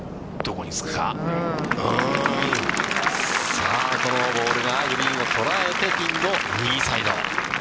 うーん、さあ、そのボールがグリーンを捉えて、ピンの右サイド。